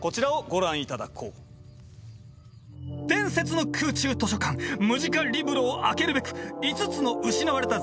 伝説の空中図書館ムジカリブロを開けるべく５つの失われた財宝